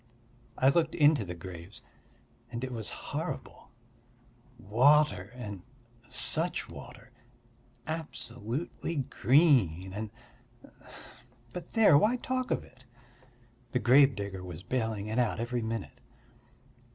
I looked into the graves and it was horrible: water and such water! Absolutely green, and ... but there, why talk of it! The gravedigger was baling it out every minute.